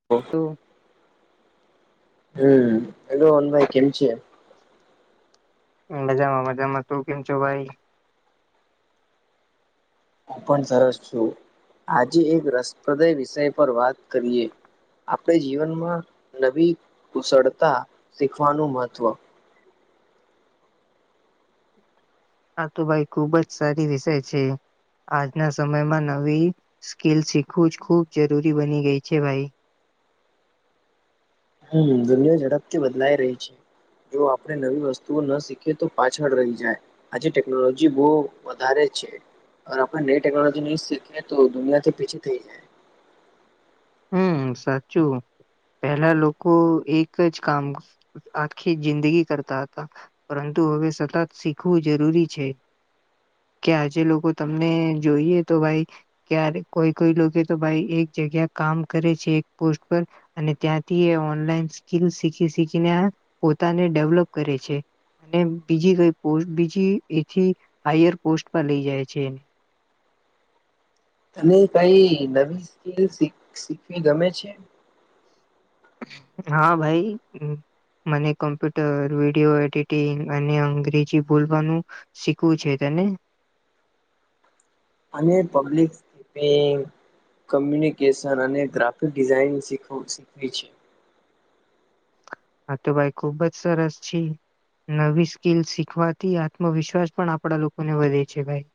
[inaudible] [unintelligible] [unintelligible] અનભાઈ કેમ છે [unintelligible] મજામાં મજામાં તું કેમ છો ભાઈ હું પણ સરસ છું આજે એક રસપ્રદય વિષય પર વાત કરીએ આપણે જીવનમાં નવી કુશળતા શીખવાનું મહત્ત્વ હા તો ભાઈ ખુબ જ સારી વિષય છે આજના સમયમાં નવી સ્કીલ શીખવું જ ખૂબ જરૂરી બની ગઈ છે ભાઈ [unintelligible] દુનિયા ઝડપથી બદલાઈ રહી છે જો આપણે નવી વસ્તુઓ ન શીખીએ તો પાછળ રહી જાય. આજે ટેકનોલોજી બહુ વધારે છે. અ આપણેે નઈ ટેકનોલોજી નહીં શીખએ તો દુનિયાથી પિછે થઈ જાય. હમ સાચું પહેલા લોકો એક જ કામ, આખી જિંદગી કરતા હતા. પરંતુ હવે સતત શીખવું જરૂરી છે. કે આજે લોકો તમને જોઈએ તો ભાઈ. ક્યારે કોઈ કોઈ લોકો તો ભાઈ એક જગ્યા કામ કરે છે એક પોસ્ટ પર, અને ત્યાંથી એ ઓનલાઈન સ્કીલ શીખી શીખીને પોતાને ડેવલપ કરે છે. અને બીજી કઈ પો બીજી એથી હાયર પોસ્ટ પર લઈ જાય છે એને, તને કઈ નવી સ્કીલ શીખ શીખવી ગમે છે. હા ભાઈ હ, મને કોમ્પ્યુટર, વિડીયો એડિટિંગ અને અંગ્રેજી બોલવાનું, શીખવું છે તેને, અને પબ્લિક સ્કીપિંગ, કમ્યુનિકેશન અને ગ્રાફિક ડિઝાઇનીખ શીખવુ શીખવી છે. હા તો ભાઈ ખુબ જ સરસ છે. નવી સ્કીલ શીખવાથી આત્મવિશ્વાસ પણ આપડા લોકોને વધે છે ભાઈ.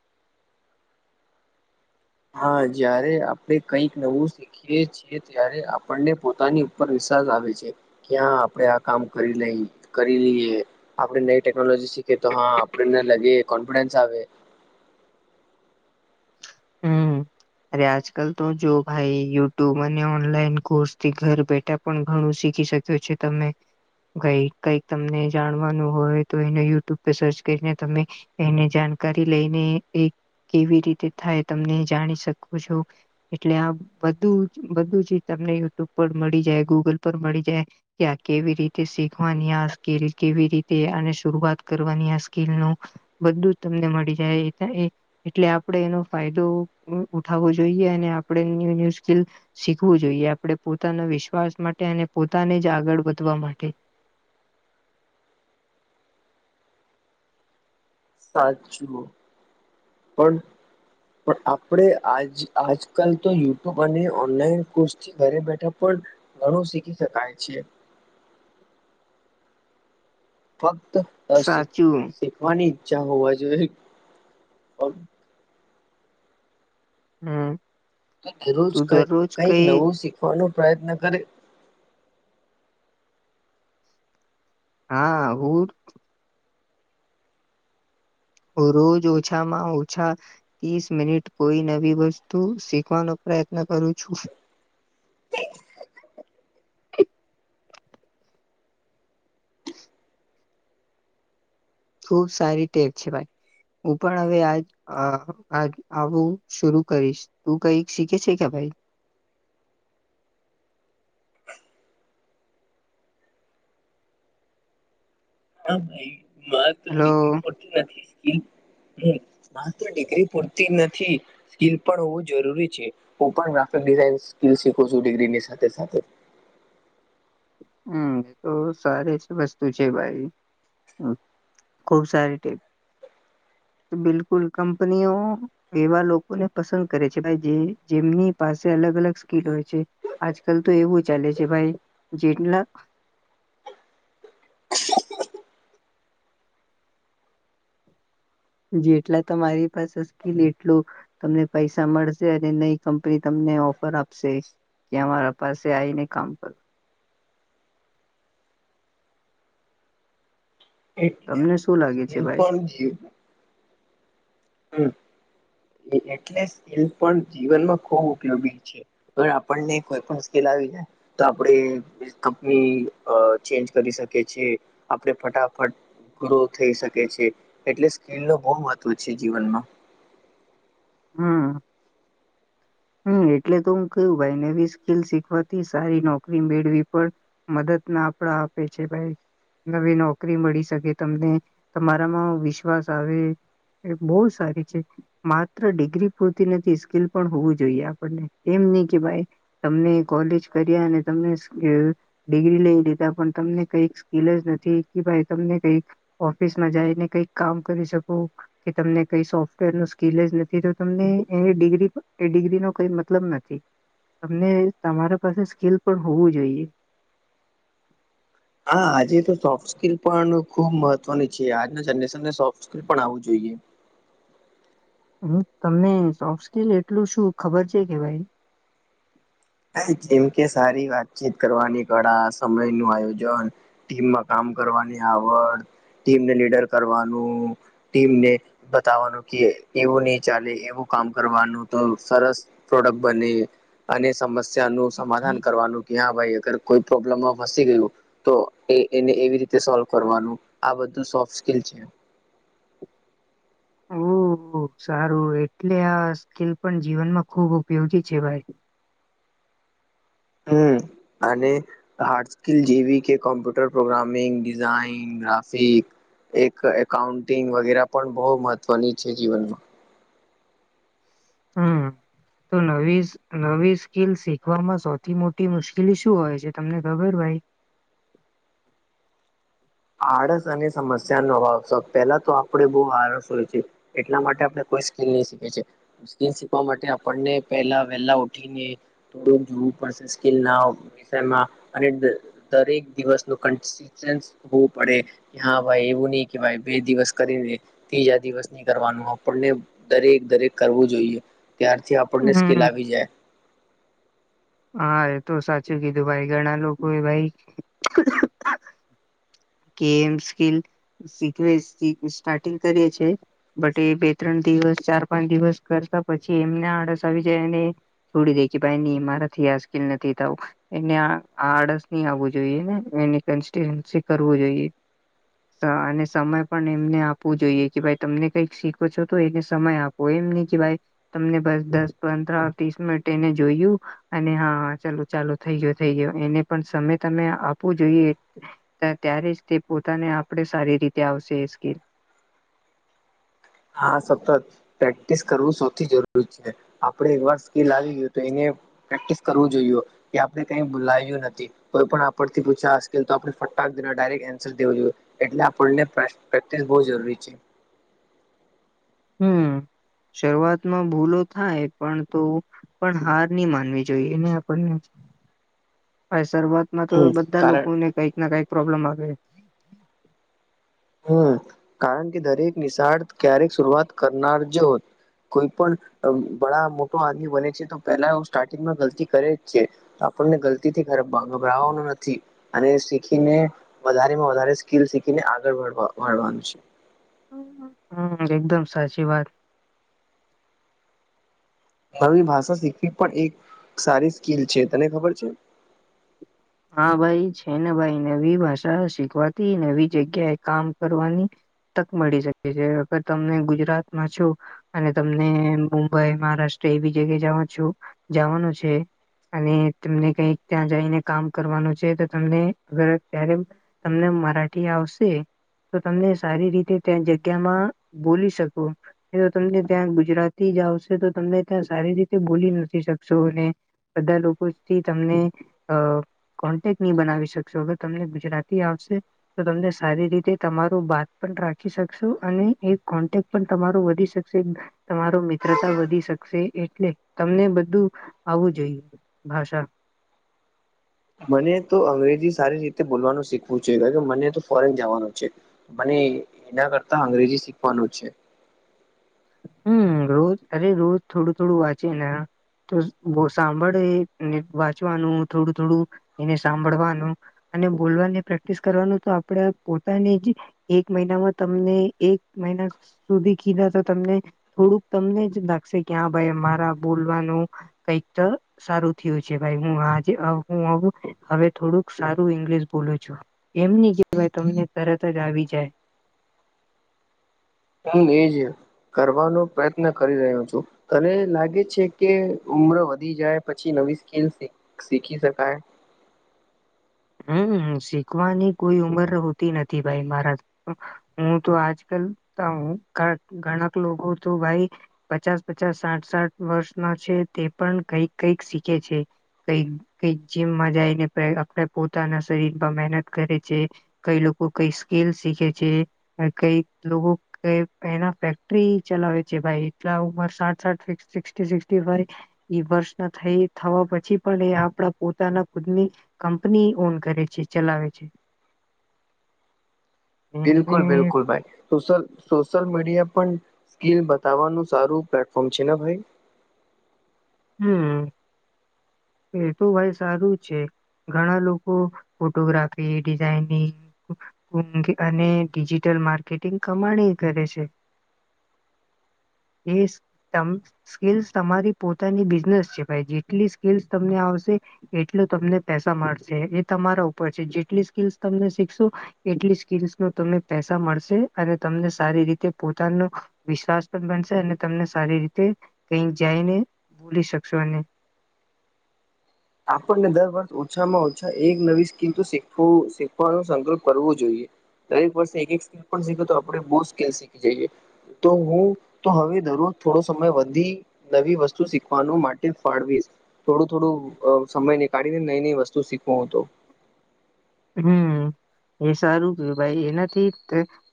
હા જયારે આપડે કઈક નવું, શિખ ખીએ છિએ ત્યારે આપણને પોતાની ઉપર વિશ્વાસ આવે છે. ક્યાં આપડે આ કામ કરી લઈ, કરી લઈએ. આપણે નવી ટેકનોલોજી શીખે તો હા આપને લગે કોન્ફિડન્સ આવે. હમ, અરે આજ કલ તો જો ભાઈ યુટ્યુબ અને ઓનલાઈન કોર્સથી ઘર બેઠા, પણ ઘણું શીખી શક્યો છે તમે. કઈ કઈક તમને જાણવાનું હોય તો એને યુટ્યુબ પર સર્ચ કરીને તમે, એને જાણકારી લઈને એ કેવી રીતે થાય તમને જાણી શકો છો. એટલે આ બધું બધુ જે તમને યુટ્યુબ પર મળી જાય ગૂગલ પર મળી જાય. કે્યા કેવી રીતે શીખવાની આ સ્કીલ કેવી રીતે અને શરૂઆત કરવાની આ સ્કીલ નુ બધું જ તમને મળી જાય એટલે એ આપડે એનો, ફાયદો ઉઠાવવો જોઈએ અને આપણે ન્યુ ન્યુ સ્કીલ, શીખવું જોઈએ આપણે પોતાના વિશ્વાસ માટે અને પોતાને જ આગળ વધવા માટે. સાચું પણ, પણ આપણેે આજ આજકાલ તો યુટ્યુબ અને ઓનલાઈન કોર્સ કે ઘરે બેઠા પણ ઘણું શીખી શકાય છે. ફક્ત અ સાચું શીખવાની ઈચ્છા હોવા જોઈએ. હા, રોજ ક કઈક નવું શીખવાનો પ્રયત્ન કરે, હા હુંર, રોજ ઓછામાં ઓછા, ત્રીસ મિનિટ કોઈ નવી વસ્તુ શીખવાનો પ્રયત્ન કરું છું. ખુબ સારી ટેવ છે ભાઈ. હું પણ હવે આજ આ આવું શુરું કરીશ. તું કઈક શીખે છે કે ભાઈ, હા ભાઈ માત્ર હેલો ડિગ્રી પરતી નથી સ્કીલ હમ ડિગ્રી પૂરતી નથી સ્કીિલ પણ હોવું જરૂરી છે હું પણ ગ્રાફિક ડિઝઇન સ્કલ શીખું છું ડિગ્રીની સાથે સાથે હમ્મ એ તો સારી છે વસ્તુ છે ભાઈ ખુબ સારી ટેપ બિલકુલ કંપનીઓ એવા લોકોને પસંદ કરે છે જે જેમની પાસે અલગ- અલગ સ્કીલ હોય છે આજકાલ તો એવું ચાલે છે ભાઈ જેેટલા જેટલા તમારી પાસે અશકેલ એટલું તમને પૈસા મળશે અને નઈ કંપની તમને ઓફર આપશે કે અમારા પાસે આઈને કામ કરું એટલે તમને શું લાગે છે ભાઈ [unintelligible] હમ્મ એટલે પણ જીવનમાં ખૂબ ઉપયોગી છે હવે આપણને કોઈ પણ મુશ્કેલ આવી જાય તો આપણેે કંપની ચેન્જ કરી શકીએ છીએ આપણે ફટાફટ ગ્રો થઈ શકે છે એટલે સ્કીલ ન બહુ મહત્વ છે જીવનમાં હમ્મ હમ્મ એટલે તો હું કું ભાઈ નવી સ્કીલ શીખવાથી સારી નોકરી મેળવી પડે મદદ ના આપડા આપે છે ભાઈ નવી નોકરી મળી શકે તમને તમારામાં વિશ્વાસ આવે એ બહુ સારી છે માત્ર ડિગ્રી પૂરતી નથી સ્કીિલ પણ હોવું જોઈએ આપણને એમ નહી કે ભાઈ તમને કોલેજ કર્યા અને તમને સ્કિલ ડિગ્રી લઈ લીધા પણ તમને કઈક સ્કીિલ જ નથી કે ભાઈ તમને કઈક ઓફિસ માં જઈને કઈક કામ કરી શકું કે તમને કઈ સોફ્ટવેર ની સ્કીિલ જ નથી તો તમને એવી ડિગ્રી એ ડિગ્રી નો કઈ મતલબ નથી તમને તમારા પાસે સ્કીલ પણ હોવું જોઈએ હા આજે તો સોફ્ટ સ્કિલ પણ ખુબ મહત્વની છે આજના જનરેશનને સોફ્ટ સ્કીિલ પણ આવું જોઈએ હમ્મ તમને સોફ્ટ સ્કીલ એટલું શું ખબર છે કે ભાઈ? જેમ કે સારી વાતચીત કરવાની કળા સમય નું આયોજન ટીમમાં કામ કરવાની આવડ ટીમને લીડર કરવાનું ટીમ ને બતાવાનું કે એવું નહી ચાલે એવું કામ કરવાનું તો સરસ પ્રોડક્ટ બને સમસ્યા નું સમાધાન કરવાનું કે હા ભાઈ અગર કોઈ પ્રોબ્લેમમાં ફસી ગયું તો એ એને એવી રીતે સોલ્વ કરવાનું આ બધું સોફ્ટ સ્કીલ છે ઓ સારું એટલે આ સ્કીલ પણ જીવનમાં ખુબ ઉપયોગી છે ભાઈ હમ્મ અને હાર્ડ સ્કલ જેવી કે કોમ્પ્યુટર પ્રોગ્રામિંગ ડિઝાઇન ગ્રાફિક એક એકાઉન્ટિંગ વગેરે પણ બહુ મહત્વની છે જીવનમાં હમ્મ તો નવી નવી સ્કીલ શીખવામાં સૌથી મોટી મુશ્કેલી શું હોય છે તમને ખબર ભાઈ આળસ અને સમસ્યાનો ભાવ પેલા તો આપડે બહુ આળસ હોય છે એટલા માટે આપણે કોઈ સ્કીલ નહી શીખે છીએ સ્કિલ શીખવા માટે આપણને પેલા વેલા ઉઠીને થોડું જોવું પડશે સ્કીલ ના [unintelligible] મા અને દરેક દિવસ નો કોંસીસ્ટન્ટ હોવું પડે હા ભાઈ એવું નહી કે ભાઈ બે દિવસ કરીને ત્રીજા દિવસ ની કરવાનું આપણને દરેક દરેક કરવું જોઈએ ત્યારથી આપણને સ્કિલ હમ. આવી જાય હા એ તો સાચું કીધું ભાઈ ઘણા લોકો એ ભાઈ [unintelligible] કે એમ સ્કીલ શીખવે સ્ટાર્ટિંગ કરીએ છે [unintelligible] બટ એ બે ત્રણ દિવસ ચાર પાંચ દિવસ કરતા પછી એમને આડસ આવી જાય અને છોડી દે કે ભાઈ ન મારાથી આજ સ્કીલ નથી થાવ એને આડસ ની આવવું જોઈએ, ને એની કરું જોઈએ. [unintelligible] અને સમય પણ એમને આપવું જોઈએ કે ભાઈ તમને કઈક શીખો છો તો એને સમય આપ કોય એમ નહ કે ભાઈ તમને બસ દસ, પંદ્ર, ત્રીસ મિનિટ એને જોયું. [unintelligible] અને હા ચાલો ચાલો થઈ ગયો થઈ ગયો એને પણ સમય તમે આપવો જોઈએ. ત્યારે જ તે પોતાને આપણે સારી રીતે આવશે એ સ્કીલ. હા સતત પ્રેક્ટિસ કરવું સૌથી જરૂરી છે. આપણે એક વાર સ્કીલ આવી ગયું તો એને પ્રેક્ટિસ કરવું જોઈએ કે આપણે કઈ બોલાય્યું નથી. [unintelligible] કોઈ પણ આપડ થી પૂછ્યા અશકેલ તો આપણે ફટાક દ ડાયરેક્ટ આન્સર દવો જોઈએ. એટલે આપણને પ્રેક્ટિસ બહુ જરૂરી છે. હમ. શરૂઆતમાં ભૂલો થાય પણ તો પણ હાર નની માનવી જોઈએ, એને આપણને આ શર્વાદ [unintelligible] માં તો બધા કારણ લોકો ને કંઈક ના કઈક પ્રોબ્લેમ આવે હમ કારણ કે દરેક નિશાળ ક્યારેક સુરઆત કરનાર જે હોત કોઈ પણ બળ મોટો આદમી બને છે તો પેલા એ સ્ટાર્ટિંગમાં ગલતી કરે જ છે આપણને ગલતી થી ગભરાવાનું નથી. અને શીખીને વધારેમાં વધારે સ્કીિલ શીખીને આગળ વણવાનું છે. હમ એકદમ સાચી વાત નવી ભાષા શીખવી પણ એક સારી સ્કીલ છે. તને ખબર છે? હા ભાઈ છે ને ભાઈ નવી ભાષા શીખવાથી નવી જગ્યાએ કામ કરવાની તક મળી શકે છે અગર તમને ગુજરાતમાં છો. અને તમને મુંબઈ મહારાષ્ટ્ર એ બી જગ્યા જવા છું જવાનું છે. અને તમને કઈક ત્યાં જઈને. કામ કરવાનું છે, તો તમને અગર ત્યારે તમને મરાઠી આવશે. [unintelligible] તો તમને સારી રીતે ત્યાં જગ્યામાં બોલી શકો. તમને ત્યાં ગુજરાતી જ આવશે તો તમે ત્યાં સારી રીતે બોલી નથી શકશો અને બધા લોકો થી તમને અ કોન્ટેક નહી બનાવી શકશો અગર તમને ગુજરાતી આવશે તો તમને સારી રીતે તમારૂ બાત પણ રાખી શકશો અને એક કોન્ટેક્ટ પણ તમારો વધી શકશે તમારો મિત્રતા વધી શકશે એટલે તમને બધું. આવું જોઈએ ભાષા મને તો અંગ્રેજી સારી રીતે બોલવાનું શીખવું છે કારણ કે મને તો ફોરેન જવાનું છે. મને એના કરતા અંગ્રેજી શીખવાનું છે. હમ રોજ અરે રોજ થોડું થોડું વાંચી ને તો સાંભળેને વાંચવાનું થોડું થોડું એને સાંભળવાનું અને બોલવાની પ્રેક્ટિસ કરવાનું તો આપણેે પોતાની જ એક મહિનામાં તમને એક મહિના સુધી કીધ તમને થોડુંક તમને જ લાગશે કે હા ભાઈ મારા બોલવાનું કઈક [unintelligible] સારું થયું છે ભાઈ હું આજે હું હવે થોડુંક સારું ઈંગ્લિશ બોલું છું. એમ નની કેહેવાય તમને તરત જ આવી જાય. હું એજ કરવાનો પ્રયત્ન કરી રહ્યો છું. તને લાગે છે, કે ઉમ્ર વધી જાય પછી નવી સ્કીલ શીખી શકાય? હમ્મ શીખવાની કોઈ ઉમર હોતી નથી ભાઈ મારા હું તો આજ કલ ઘણાક લોકો તો ભાઈ પચાસ પચાસ સાઠ સાઠ વર્ષ ના છે તે પણ કઈક કઈક શીખે છે. કઈ કક જીમમાં જઈને આપણે પોતાના શરીરમાં મહેનત કરે છે. કઈ લોકો કઈ સ્કીલ શીખે છે કઈ લોકો કે એના ફેક્ટરી ચલાવે છે. ભાઈ એટલા ઉમર સાઠ સાઠ સિક્ટી ફાઈવ એ વર્ષના થઈ થવા પછી પણ એ આપણા પોતાના ખુદની ની ઓન કરે છે ચલાવે છે એને બિલકુલ બિલકુલ ભાઈ સોશલ સોશલ મીડિયા પણ સ્કીલ બતાવવાનું સારું પ્લેટફોર્મ છે ને ભાઈ હમ્મ એ તો ભાઈ સારું છે ઘણા લોકો ફોટોગ્રાફી ડિઝઇનિંગ અને ડિજિટલ માર્કેટિંગ કમાણી કરે છે એ તમ સ્કીલસ તમારી પોતાની બિઝનેસ છે ભાઇ જેટલી સ્કિલ તમને આવશે એટલું તમને પૈસા મળશે એ તમારા ઉપર છે જેટલી સ્કીલસ તમને શીખશો એટલી સ્કીસનો તમને પૈસા મળશે અને તમને સારી રીતે પોતાનો વિશ્વાસ પણ બનશે અને તમને સારી રીતે કઈક જાયને ભૂલી શકશો એને આપણને દર વર્ષ ઓછામાં ઓછા એક નવી સ્કિલ શીખવાનો સંકલ્પ કરવો જોઈએ દરેક વર્ષે એક એક સ્કીલ પણ શીખે તો આપણે બહુ સ્કીલ શીખી જઈએ તો હું તો હવે દરરોજ થોડો સમય વધી નવી વસ્તુ શીખવાનું માટે ફાળવીશ થોડું થોડું સમય નીકાળીને નઈ નઈ વસ્તુ શીખવો હતો હમ્મ એ સારું કેવાય એનાથી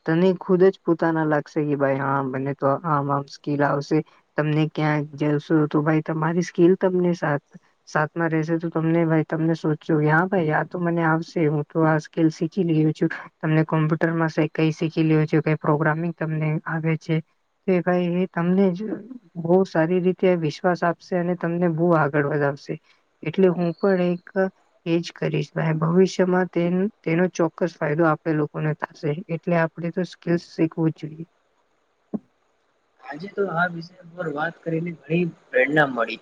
તને ખુદ જ પોતાના લાગશે કે ભાઈ હા બને તો આમ આમ સ્કીલ આવશે તમને ક્યાંક જશો તો ભાઈ તમારી સ્કીલ તમને સા સાથમાં રશે તો તમને ભાઈ તમને સોચ્યું કે હા ભાઈ આ તો મને આવશે તે હું તો આજકાલ શીખી લીયુ છું તમને કોમ્પ્યુટરમાં કઈ શીખી લીયુ છે કઈ પ્રોગ્રામિંગ તમને આવે છે કે કાંઈ એ તમને જ બહુ સારી રીતે વિશ્વાસ આપશે અને તમને બહુ આગળ વધાવશે એટલે હું પણ એક એજ કરીશ ભાઈ ભવિષ્ય તેનો ચોક્કસ ફાયદો આપણે લોકોને થશે એટલે આપણે તો સ્કીલસ શીખવું જ જોઈએ આજે તો આ વિષય પર વાત કરીને ઘણી પ્રેરણા મળી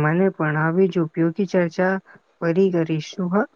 મને પણ આવી જ ઉપયોગી ચર્ચા ફરી કરીશું હા